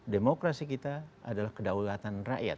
demokrasi kita adalah kedaulatan rakyat